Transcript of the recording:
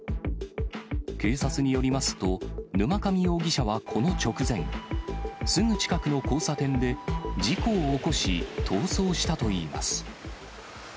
警察によりますと、沼上容疑者はこの直前、すぐ近くの交差点で事故を起こし、逃走したといいます。